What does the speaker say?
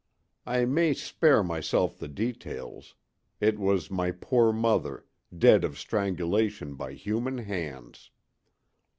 I may spare myself the details; it was my poor mother, dead of strangulation by human hands!